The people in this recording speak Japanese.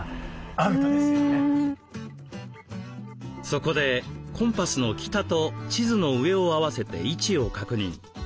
そこでコンパスの北と地図の上を合わせて位置を確認。